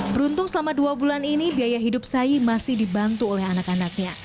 beruntung selama dua bulan ini biaya hidup sai masih dibantu oleh anak anaknya